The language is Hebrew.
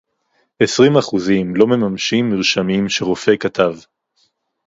עשרים אחוזים לא מממשים מרשמים שרופא כתב